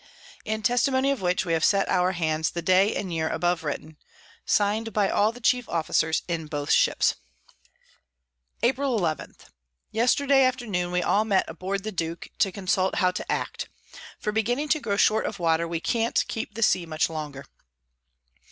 In Testimony of which, we have set our Hands the Day and Year above written._ Sign'd by all the chief Officers in both Ships. April 11. Yesterday afternoon we all met aboard the Duke, to consult how to act; for beginning to grow short of Water, we can't keep the Sea much longer.